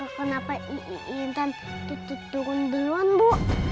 kenapa intan turun duluan bu